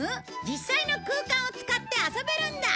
実際の空間を使って遊べるんだ